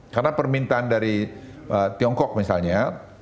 karena permintaan dari tiongkok misalnya